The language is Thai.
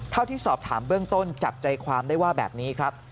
ที่สอบถามเบื้องต้นจับใจความได้ว่าแบบนี้ครับ